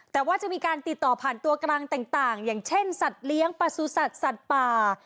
แต่ว่าจะมีการติดต่อผ่านตัวกลางต่างอย่างเช่นสัตว์เลี้ยงประสุทธิ์สัตว์ป่า